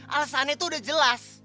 alesannya tuh udah jelas